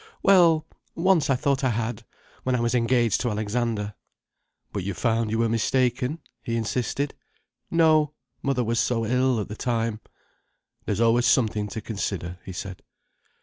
"Well—once I thought I had—when I was engaged to Alexander." "But you found you were mistaken?" he insisted. "No. Mother was so ill at the time—" "There's always something to consider," he said.